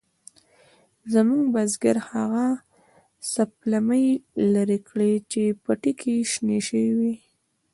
زموږ بزگر هغه سپلمۍ لرې کړې چې پټي کې شنې شوې وې.